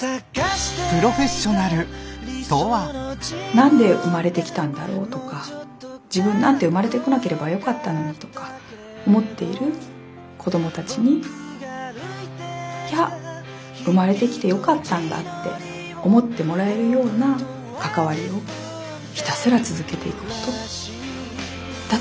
なんで生まれてきたんだろうとか自分なんて生まれてこなければよかったのにとか思っている子どもたちにいや生まれてきてよかったんだって思ってもらえるような関わりをひたすら続けていくことだと思います。